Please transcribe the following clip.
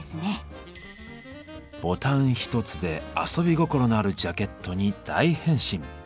ボタン一つで遊び心のあるジャケットに大変身。